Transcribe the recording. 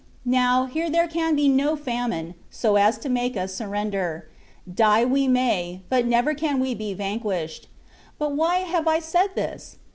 Now, here there can be no famine, so as to make us surrender. Die we may, but never can we be vanquished. But why have I said this?